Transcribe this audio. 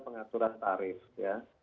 pengaturan tarif ya